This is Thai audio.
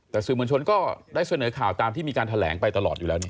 แต่สื่อมวลชนก็ได้เสนอข่าวตามที่มีการแถลงไปตลอดอยู่แล้วนี่